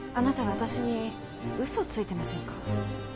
私に嘘をついてませんか？